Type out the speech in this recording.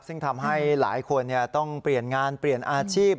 ซึ่งทำให้หลายคนต้องเปลี่ยนงานเปลี่ยนอาชีพ